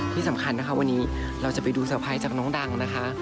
ที่สำคัญนะคะวันนี้เราจะไปดูเตอร์ไพรส์จากน้องดังนะคะ